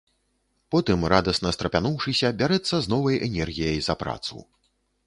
Потым, радасна страпянуўшыся, бярэцца з новай энергіяй за працу.